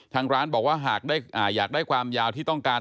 ทางร้านบอกว่าหากอยากได้ความยาวที่ต้องการ